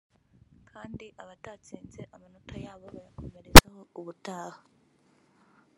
kandi abatatsinze amanota yabo bayakomerezaho ubutaha